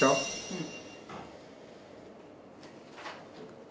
うん。